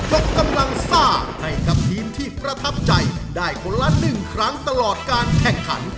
ออกท่าซ่าประจำทีมันครั้งหนึ่งครับสลิดน้อย